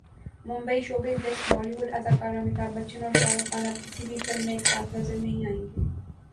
Mumbai showbiz desk Bollywood اداکار امیتابھ بچن اور شاہ رخ خان اب کسی بھی فلم میں ایک ساتھ نظر نہیں آئیں گے